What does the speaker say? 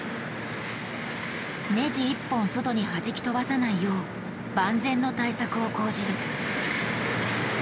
ネジ１本外にはじき飛ばさないよう万全の対策を講じる。